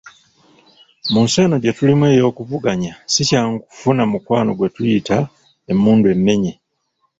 Mu nsi eno gye tulimu ey'okuvuganya si kyangu kufuna mukwano gwe tuyinza okuyita, “emmundu emmenye”